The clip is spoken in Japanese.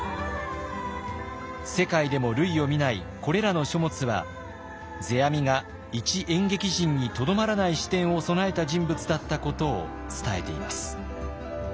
世界でも類を見ないこれらの書物は世阿弥が一演劇人にとどまらない視点を備えた人物だったことを伝えています。